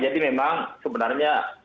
jadi memang sebenarnya